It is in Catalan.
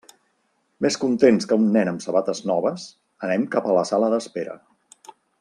Més contents que un nen amb sabates noves, anem cap a la sala d'espera.